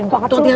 pak kecap nih